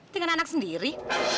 tingan anak sendiri